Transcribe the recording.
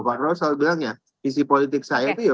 pak ros selalu bilang visi politik saya itu